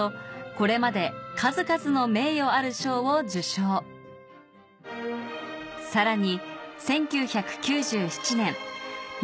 これまで数々の名誉ある賞を受賞さらに